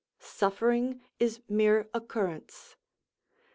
Suffering is mere occurrence.